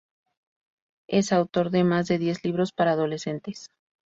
Es autor de más de diez libros para adolescentes.